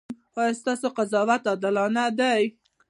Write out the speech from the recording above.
ایا ستاسو قضاوت عادلانه دی؟